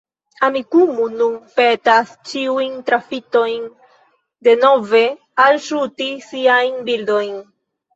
Amikumu nun petas ĉiujn trafitojn denove alŝuti siajn bildojn.